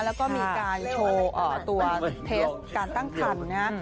แล้วก็มีการโชว์ตัวเทสการตั้งคันนะฮะ